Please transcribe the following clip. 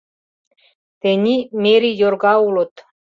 Тений мэрий йорга улыт -